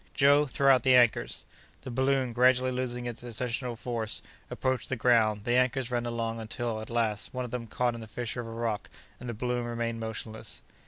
Joe, throw out the anchors!" The balloon, gradually losing its ascensional force, approached the ground; the anchors ran along until, at last, one of them caught in the fissure of a rock, and the balloon remained motionless.